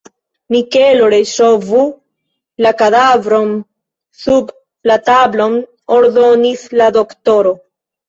Mikelo, reŝovu la kadavron sub la tablon, ordonis la doktoro.